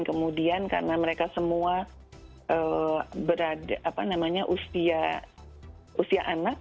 kemudian karena mereka semua berada apa namanya usia anak